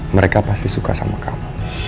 mereka pasti suka sama kamu